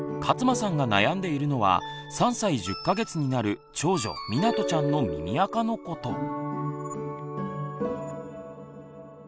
勝間さんが悩んでいるのは３歳１０か月になる長女みなとちゃんの耳あかのこと。